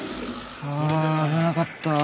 あ危なかったぁ。